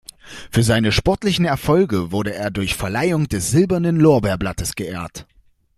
Für seine sportlichen Erfolge wurde er durch Verleihung des Silbernen Lorbeerblattes geehrt.